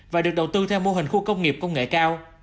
và được đầu tư theo mô hình khu công nghiệp công nghệ cao